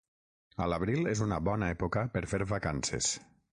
A l'abril és una bona època per fer vacances.